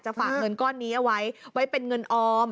ฝากเงินก้อนนี้เอาไว้ไว้เป็นเงินออม